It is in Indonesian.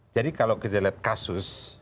jadi kalau kita lihat kasus